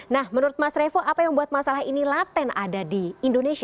nah menurut mas revo apa yang membuat masalah ini laten ada di indonesia